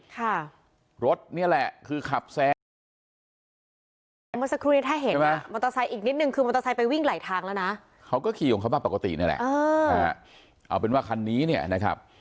ค่ะรถนี่แหละคือขับแซงเมื่อสักครู่นี้ถ้าเห็นอ่ะมอเตอร์ไซค์อีกนิดนึงคือมอเตอร์ไซค์ไปวิ่งไหลทางแล้วนะเขาก็ขี่ของเขามาปกตินี่แหละเออนะฮะเอาเป็นว่าคันนี้เนี่ยนะครับ